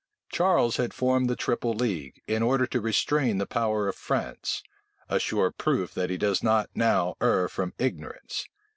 Charles had formed the triple league, in order to restrain the power of France; a sure proof that he does not now err from ignorance.